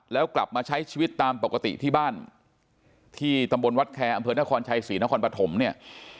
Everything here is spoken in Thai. แล้วกลับมาใช้ชีวิตตามปกติที่บ้านที่ตำบลวัดแคร์อำเภอนครชัยศรีนครปฐมเนี่ย